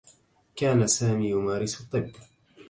كان سامي يمارس الطّب.